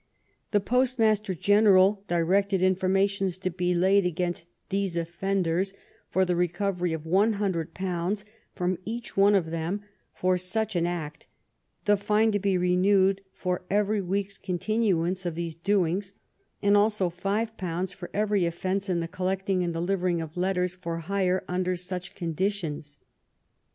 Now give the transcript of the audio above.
The postmaster general directed informations to be laid against these offenders for the recovery of one hundred pounds from each one of them for such an act, the fine to be renewed for every week's continu ance of these doings, and also five pounds for every offence in the collecting and delivering of letters for hire under such conditions.